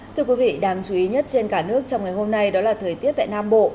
thưa quý vị đáng chú ý nhất trên cả nước trong ngày hôm nay đó là thời tiết tại nam bộ